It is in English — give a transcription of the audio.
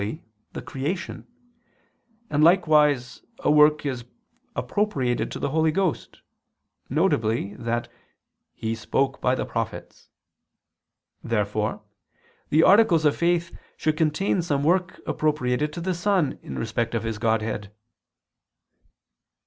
the creation, and likewise, a work appropriated to the Holy Ghost, viz. that "He spoke by the prophets." Therefore the articles of faith should contain some work appropriated to the Son in respect of His Godhead.